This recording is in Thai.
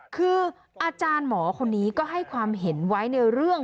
คืออาจารย์หมอคนนี้ก็ให้ความเห็นไว้ในเรื่อง